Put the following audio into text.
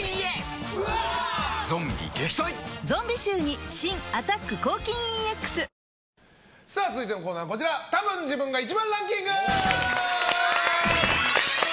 ゾンビ臭に新「アタック抗菌ＥＸ」続いてのコーナーはこちらたぶん自分が１番ランキング！